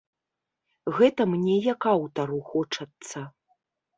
Гэта мне як аўтару хочацца.